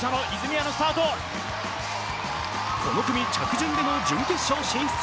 この組着順での準決勝進出。